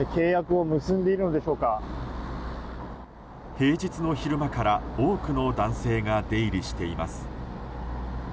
平日の昼間から多くの男性が出入りしています。